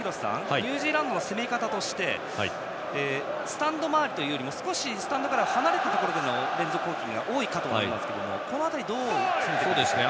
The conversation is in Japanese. ニュージーランドの攻め方としてスタンド周りというよりも少しスタンドから離れたところでの連続攻撃が多いかと思いますがこの辺りはどういうことですか？